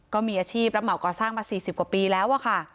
ก็มีอาชีพรับเหมาก่อสร้างมา๔๐กว่าปีแล้วค่ะ